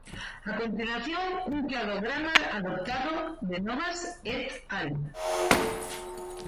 A continuación un cladograma adoptado de Novas "et al.